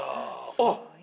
あっ！